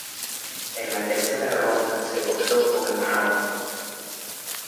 En tercera ronda se cruzó con el No.